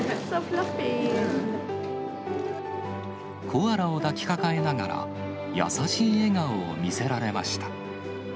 コアラを抱きかかえながら、優しい笑顔を見せられました。